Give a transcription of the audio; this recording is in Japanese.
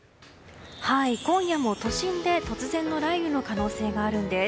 今夜も都心で突然の雷雨の可能性があるんです。